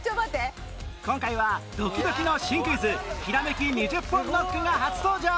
今回はドキドキの新クイズひらめき２０本ノックが初登場！